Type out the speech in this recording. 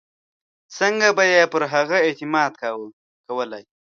څنګه به یې پر هغه اعتماد کولای.